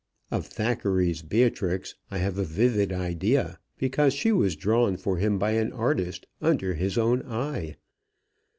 Of Thackeray's Beatrix I have a vivid idea, because she was drawn for him by an artist under his own eye.